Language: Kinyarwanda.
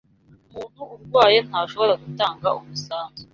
umuntu urwaye ntashobora gutanga umusanzu